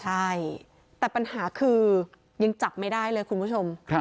ใช่แต่ปัญหาคือยังจับไม่ได้เลยคุณผู้ชม